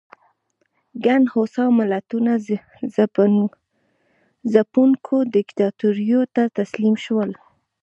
ګڼ هوسا ملتونه ځپونکو دیکتاتوریو ته تسلیم شول.